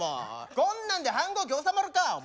こんなんで反抗期収まるかお前。